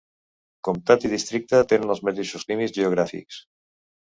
Comtat i districte tenen els mateixos límits geogràfics.